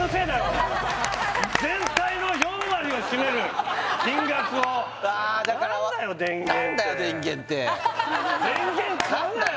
全体の４割は占める金額をあだから何だよ電源って電源買うなよ！